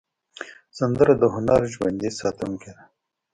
سندره د هنر ژوندي ساتونکی ده